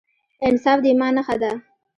انصاف د ایمان نښه ده.